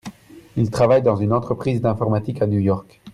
Il travaille dans une entreprise d'informatique à New York.